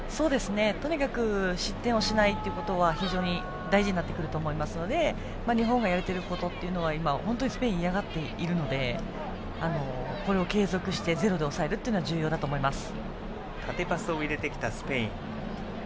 とにかく失点をしないということは非常に大事になってくると思いますので日本がやれていることは今、本当にスペインは嫌がっているのでこれを継続してゼロで抑えるのが重要だと思います。